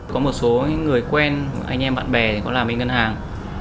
có một số người quen anh em bạn bè có làm với ngân hàng